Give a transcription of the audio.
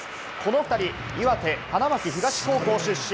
この２人、岩手・花巻東高校出身。